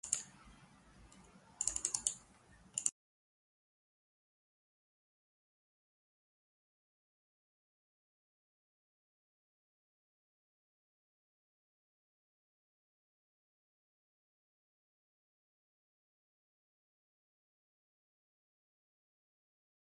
اکراه او هویدا بود.